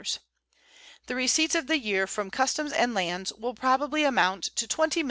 The receipts of the year from customs and lands will probably amount to $20,615,598.